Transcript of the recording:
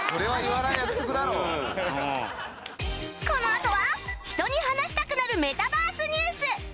このあとは人に話したくなるメタバース ＮＥＷＳ